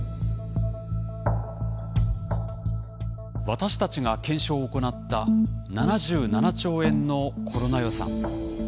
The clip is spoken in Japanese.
私たちが検証を行った７７兆円のコロナ予算。